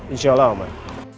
insya allah aman